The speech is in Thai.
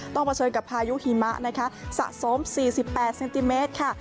เผชิญกับพายุหิมะนะคะสะสม๔๘เซนติเมตรค่ะ